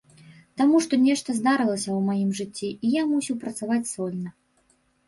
Таму што нешта здарылася ў маім жыцці і я мусіў працаваць сольна.